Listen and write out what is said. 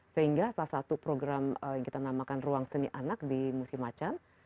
sehingga salah satu program yang kita namakan ruang seni anak di musim acan